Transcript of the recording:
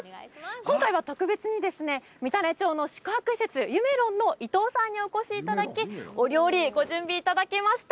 今回は特別に三種町の宿泊施設ゆめろんの伊東さんにお越しいただき、お料理をご準備いただきました。